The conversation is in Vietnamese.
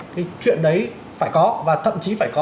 cái chuyện đấy phải có và thậm chí phải có